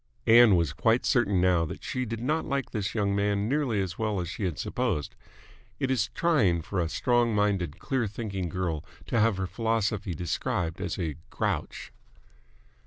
Ann was quite certain now that she did not like this young man nearly as well as she had supposed. It is trying for a strong minded, clear thinking girl to have her philosophy described as a grouch.